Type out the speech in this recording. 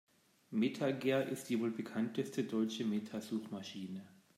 MetaGer ist die wohl bekannteste deutsche Meta-Suchmaschine.